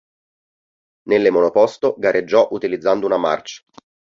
Nelle monoposto gareggiò utilizzando una March.